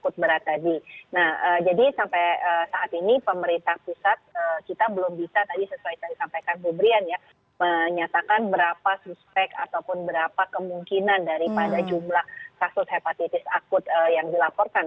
nah jadi sampai saat ini pemerintah pusat kita belum bisa tadi sesuai tadi sampaikan bu brian ya menyatakan berapa suspek ataupun berapa kemungkinan daripada jumlah kasus hepatitis akut yang dilaporkan